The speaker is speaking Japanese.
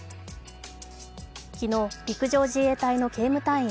昨日陸上自衛隊の警務隊員